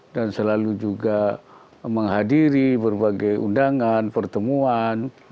dan selalu juga menghadiri berbagai undangan pertemuan